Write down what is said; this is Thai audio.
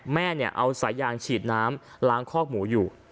แม่เอาสายยางฉีดน้ำล้างคอกหมูอยู่